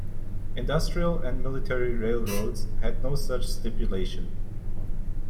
Industrial and military railroads had no such stipulation.